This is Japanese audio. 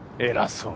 そう